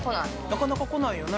◆なかなか来ないよね。